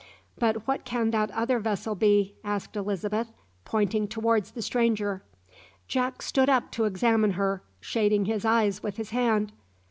"But what can that other vessel be?" asked Elizabeth, pointing towards the stranger. Jack stood up to examine her, shading his eyes with his hand.